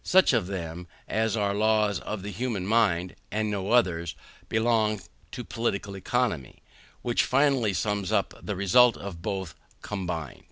Such of them as are laws of the human mind, and no others, belong to Political Economy, which finally sums up the result of both combined.